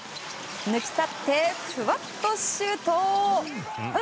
抜き去って、ふわっとシュート。